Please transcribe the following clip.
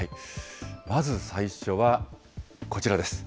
まず最初は、こちらです。